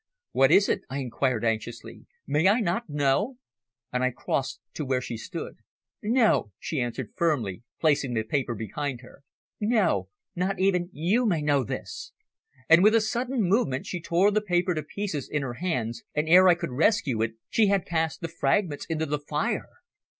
"What is it?" I inquired anxiously. "May I not know?" And I crossed to where she stood. "No," she answered firmly, placing the paper behind her. "No! Not even you may know this!" And with a sudden movement she tore the paper to pieces in her hands, and ere I could rescue it, she had cast the fragments into the fire.